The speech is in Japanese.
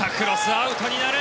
アウトになる。